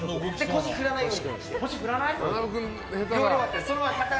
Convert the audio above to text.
腰を振らないように。